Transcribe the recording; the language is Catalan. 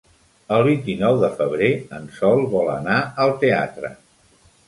El vint-i-nou de febrer en Sol vol anar al teatre.